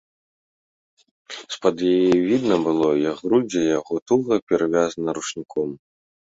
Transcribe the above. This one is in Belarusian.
З-пад яе відно было, як грудзі яго туга перавязаны ручніком.